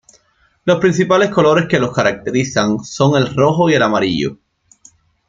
Los principales colores que los caracterizan son el rojo y el amarillo.